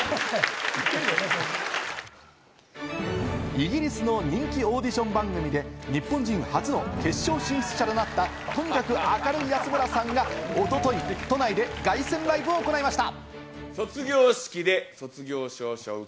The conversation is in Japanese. イギリスの人気オーディション番組で日本人初の決勝進出者となった、とにかく明るい安村さんがおととい都内で凱旋ライブを行いました。